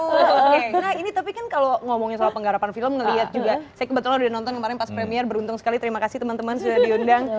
oke nah ini tapi kan kalau ngomongin soal penggarapan film ngelihat juga saya kebetulan udah nonton kemarin pas premier beruntung sekali terima kasih teman teman sudah diundang